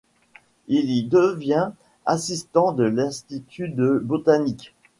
Il y devient assistant à l’institut de botanique.